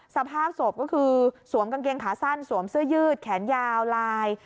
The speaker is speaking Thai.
สภาพศพก็คือสวมกางเกงขาสั้นสวมเสื้อยืดแขนยาวลาย